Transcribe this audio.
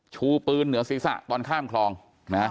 ชูปืนเหนือศีรษะตอนข้ามคลองนะฮะ